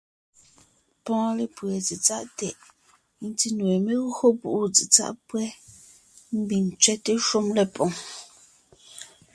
Pɔ́ɔn lépʉe tsetsáʼ tɛʼ, ńtí nue, mé gÿo púʼu tsetsáʼ pÿɛ́, ḿbiŋ ńtsẅɛ́te shúm lépoŋ.